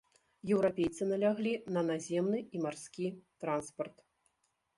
Еўрапейцы наляглі на наземны і марскі транспарт.